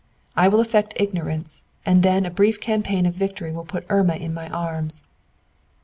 I will affect ignorance, and then a brief campaign of victory will put Irma in my arms."